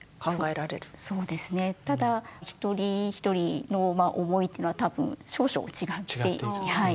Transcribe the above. ただ一人一人の思いっていうのは多分少々違っていて。